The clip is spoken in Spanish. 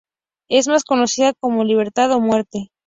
Es más conocida como Libertad o muerte.